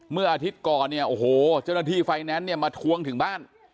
เมื่ออาทิตย์ก่อนเนี่ยโอ้โหเจ้าหน้าที่ไฟแนนซ์เนี่ยมาทวงถึงบ้าน